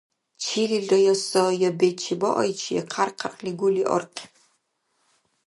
Чилилра я сай я бецӀ чебаайчи хъярхъ-хъярхъли гули архъиб.